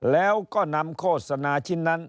แล้วก็นำโฆษณาชิ้นนั้น